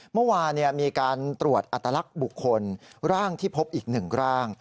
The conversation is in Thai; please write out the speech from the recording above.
เมื่อวานมีการตรวจอัตลักษณ์บุคคลร่างที่พบอีก๑ร่าง